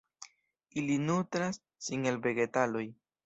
Ili nutras sin el vegetaloj.